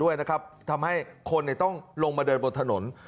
จะทำให้ต้องลงมาเดินบนถนน